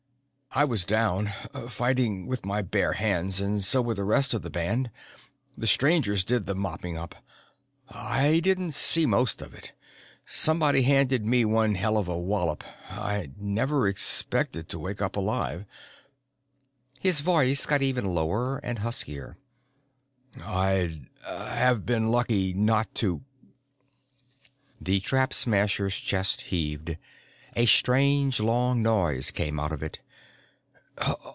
I was down, fighting with my bare hands, and so was the rest of the band. The Strangers did the mopping up. I didn't see most of it. Somebody handed me one hell of a wallop I never expected to wake up alive." His voice got even lower and huskier. "I'd have been lucky not to." The Trap Smasher's chest heaved: a strange, long noise came out of it.